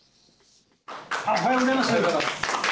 おはようございます。